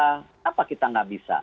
kenapa kita tidak bisa